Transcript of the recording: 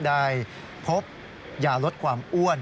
ได้พบยาลดความอ้วน